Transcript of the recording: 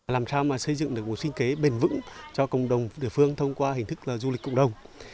làm sao mà xây dựng được một sinh kế bền vững cho cộng đồng địa phương thông qua hình thức du lịch cộng đồng